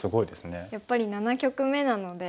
やっぱり７局目なので。